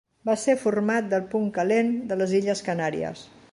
Va ser format pel punt calent de les Illes Canàries.